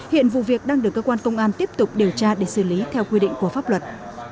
hiện vụ việc đang được cơ quan công an tiếp tục điều tra để xử lý theo quy định của pháp luật